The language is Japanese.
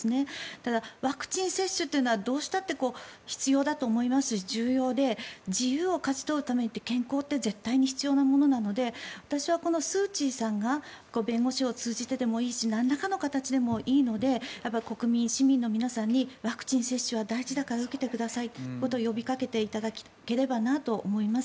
ただ、ワクチン接種というのはどうしたって必要だと思いますし重要で自由を勝ち取るために健康って絶対に必要なものなので私はスー・チーさんが弁護士を通じてでもなんらかの形でもいいので国民、市民の皆さんにワクチン接種は大事だから受けてくださいということを呼びかけていただければなと思います。